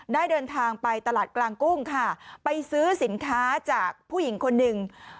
เดินทางไปตลาดกลางกุ้งค่ะไปซื้อสินค้าจากผู้หญิงคนหนึ่ง